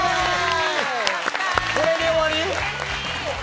これで終わり？